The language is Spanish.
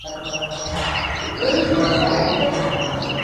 Fangio llegó a ganar tres de los siguientes grandes premios de Argentina.